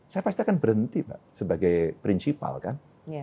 saya pasti akan berhenti pak sebagai prinsipal kan